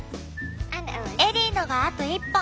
エリーのがあと１本。